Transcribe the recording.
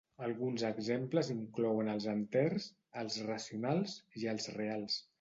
Alguns exemples inclouen els enters, els racionals i els reals.